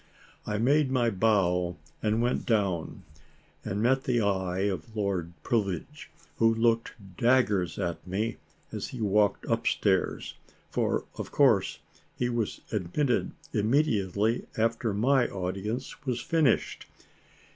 I made my bow, and went down, and met the eye of Lord Privilege, who looked daggers at me as he walked upstairs for, of course, he was admitted immediately after my audience was finished.